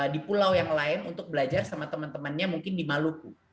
di pulau yang lain untuk belajar sama teman temannya mungkin di maluku